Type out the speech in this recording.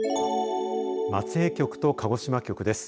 松江局と鹿児島局です。